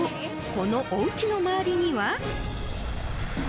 このおうちの周りには］